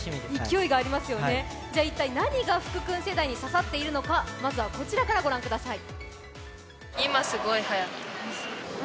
勢いがありますよね、何が福くん世代に刺さっているのかまずは、こちらから御覧ください。